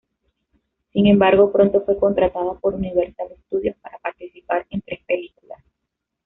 Sin embargo, pronto fue contratada por Universal Studios para participar en tres películas.